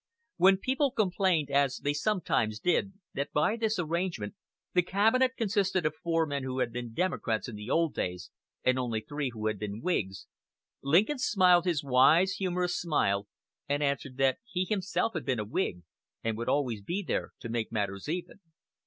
When people complained, as they sometimes did, that by this arrangement the cabinet consisted of four men who had been Democrats in the old days, and only three who had been Whigs, Lincoln smiled his wise, humorous smile and answered that he himself had been a Whig, and would always be there to make matters even.